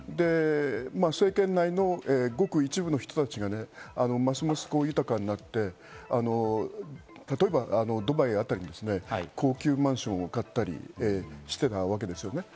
政権内のごく一部の人たちがますます豊かになって、例えば、ドバイあたりに高級マンションを買ったりしていたわけです。